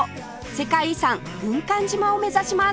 世界遺産軍艦島を目指します